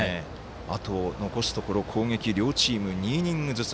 残すところ、攻撃両チーム２イニングずつ。